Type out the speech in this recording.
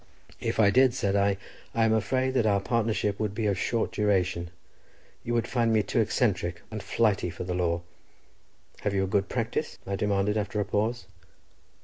"If I did," said I, "I am afraid that our partnership would be of short duration; you would find me too eccentric and flighty for the law. Have you a good practice?" I demanded after a pause.